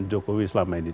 jokowi selama ini